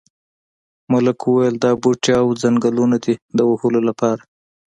ملک وویل دا بوټي او ځنګلونه دي د وهلو لپاره.